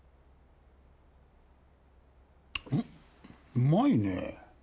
うまいねぇ。